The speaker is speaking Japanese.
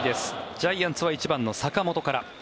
ジャイアンツは１番の坂本から。